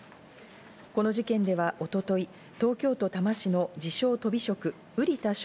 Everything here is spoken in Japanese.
この事件では一昨日、東京都多摩市の自称・とび職、瓜田翔